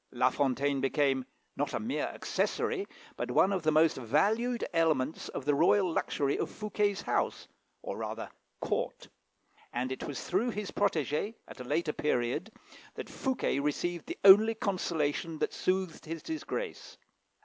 La Fontaine became, not a mere accessory, but one of the most valued elements of the royal luxury of Fouquet's house, or, rather, court; and it was through his protégé, at a later period, that Fouquet received the only consolation that soothed his disgrace.